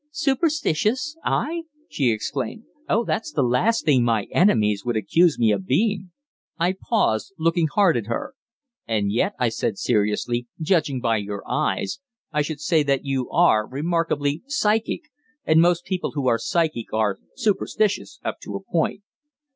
"Superstitious? I?" she exclaimed. "Oh, that's the last thing my enemies would accuse me of being!" I paused, looking hard at her. "And yet," I said seriously, "judging by your eyes, I should say that you are remarkably psychic, and most people who are psychic are superstitious up to a point."